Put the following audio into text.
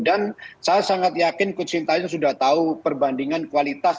dan saya sangat yakin coach sintayong sudah tahu perbandingan kualitas